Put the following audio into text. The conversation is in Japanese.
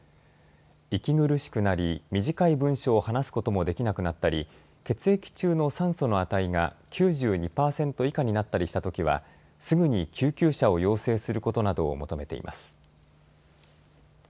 息苦しくなり短い文章を話すこともできなくなったり血液中の酸素の値が９２％以下になったりしたときはすぐに救急車を要請することなどを求めています。